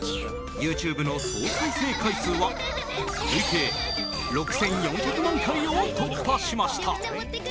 ＹｏｕＴｕｂｅの総再生回数は累計６４００万回を突破しました。